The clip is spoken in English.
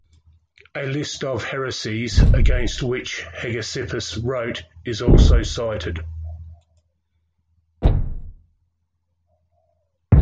A list of heresies against which Hegesippus wrote is also cited.